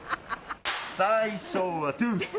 最初はトゥース！